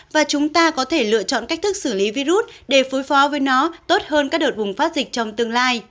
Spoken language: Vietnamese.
và chúng ta có thể lựa chọn cách thức xử lý virus để phối phó với nó tốt hơn các đợt bùng phát dịch trong tương lai